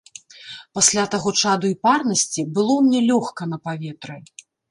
Пасля таго чаду і парнасці было мне лёгка на паветры.